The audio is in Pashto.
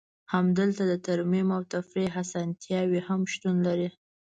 هلته د ترمیم او تفریح اسانتیاوې هم شتون لري